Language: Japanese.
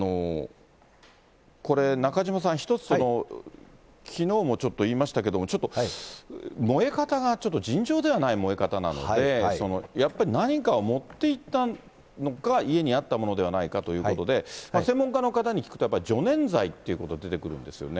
これ、中島さん、一つ、きのうもちょっと言いましたけども、ちょっと燃え方がちょっと尋常ではない燃え方なので、やっぱり何かを持っていったのか、家にあったものではないかということで、専門家の方に聞くと、やっぱり助燃材ということが出てくるんですよね。